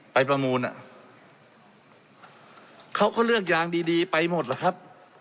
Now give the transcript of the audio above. ประมูลอ่ะเขาก็เลือกยางดีดีไปหมดแล้วครับ